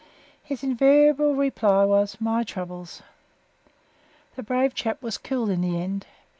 His invariable reply was "My troubles!" The brave chap was killed in the end.